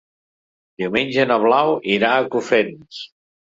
Diumenge na Blau irà a Cofrents.